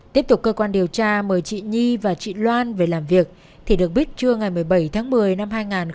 tiếp tục cơ quan điều tra mời chị nhi và chị loan về làm việc thì được biết trưa ngày một mươi bảy tháng một mươi năm hai nghìn một mươi bảy